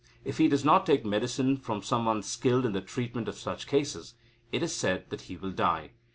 If he does not take medicine from some one skilled in the treatment of such cases, it is said that he will die.